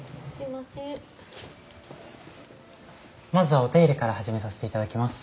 まずはお手入れから始めさせていただきます。